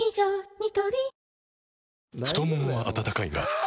ニトリ太ももは温かいがあ！